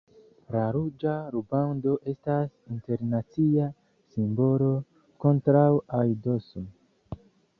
La ruĝa rubando estas internacia simbolo kontraŭ aidoso.